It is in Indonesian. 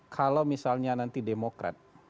kalau misalnya nanti demokrat